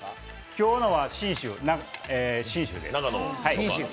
今日のは信州です。